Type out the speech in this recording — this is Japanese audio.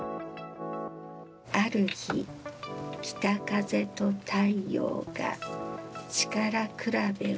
ある日北風と太陽が力比べをしました。